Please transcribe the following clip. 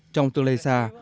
trong quá trình sản xuất ô tô